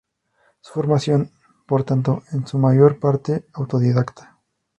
Su formación, por tanto, es en su mayor parte autodidacta.